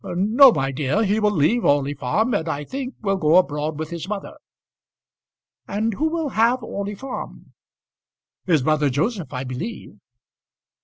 "No, my dear. He will leave Orley Farm, and, I think, will go abroad with his mother." "And who will have Orley Farm?" "His brother Joseph, I believe."